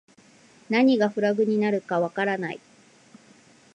何がフラグになるかわからない